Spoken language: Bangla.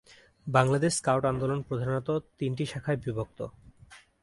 বাংলাদেশ স্কাউট আন্দোলন প্রধানত তিনটি শাখায় বিভক্ত।